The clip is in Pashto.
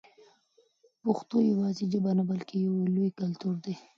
پښتو یوازې ژبه نه بلکې یو لوی کلتور دی.